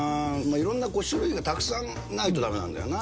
いろんな種類がたくさんないとだめなんだよな。